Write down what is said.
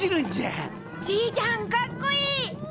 じいちゃんかっこいい！